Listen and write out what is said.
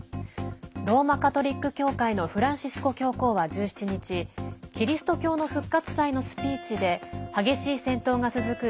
ローマ・カトリック教会のフランシスコ教皇は１７日キリスト教の復活祭のスピーチで激しい戦闘が続く